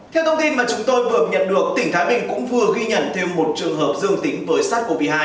theo thông tin mà chúng tôi vừa nhận được tỉnh thái bình cũng vừa ghi nhận thêm một trường hợp dương tính với sars cov hai